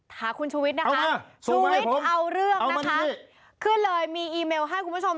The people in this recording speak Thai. หาคุณชูวิทย์นะคะชูวิทย์เอาเรื่องนะคะขึ้นเลยมีอีเมลให้คุณผู้ชม